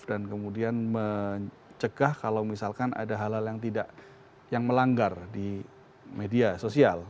dan kemudian mencegah kalau misalkan ada hal hal yang tidak yang melanggar di media sosial